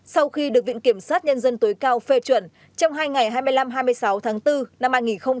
sau khi được viện kiểm sát nhân dân tối cao phê chuẩn trong hai ngày hai mươi năm hai mươi sáu tháng bốn năm hai nghìn hai mươi